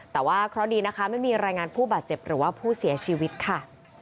แต่ว่าเคราะห์ดีนะคะไม่มีรายงานผู้บาดเจ็บหรือว่าผู้เสียชีวิตค่ะ